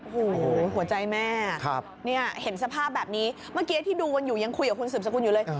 โอ้โหหัวใจแม่เห็นสภาพแบบนี้เมื่อกี้ที่ดูกันอยู่ยังคุยกับคุณสืบสกุลอยู่เลย